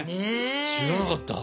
知らなかった。